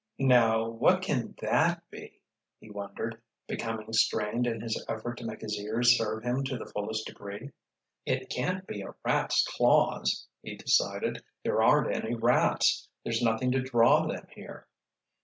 "Now what can that be?" he wondered, becoming strained in his effort to make his ears serve him to the fullest degree. "It can't be a rat's claws," he decided. "There aren't any rats. There's nothing to draw them, here."